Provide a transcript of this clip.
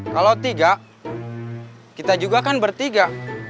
kalau tiga kita juga kan bertiga